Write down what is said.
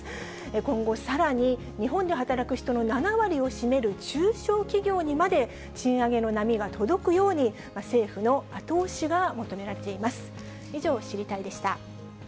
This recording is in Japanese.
今後、さらに日本で働く人の７割を占める中小企業にまで、賃上げの波が届くように、政府の後押しが求められています。